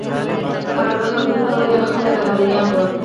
کارغه خبرې کولې او خلک حیران وو.